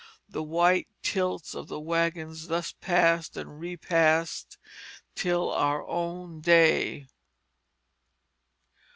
The white tilts of the wagons thus passed and repassed till our own day.